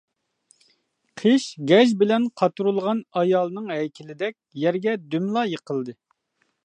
قىش گەج بىلەن قاتۇرۇلغان ئايالنىڭ— ھەيكىلىدەك يەرگە دۈملا يىقىلدى.